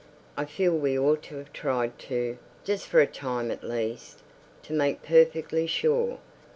I feel we ought to have tried to, just for a time at least. To make perfectly sure.